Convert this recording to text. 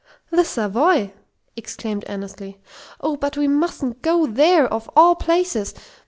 "The Savoy!" exclaimed Annesley. "Oh, but we mustn't go there, of all places!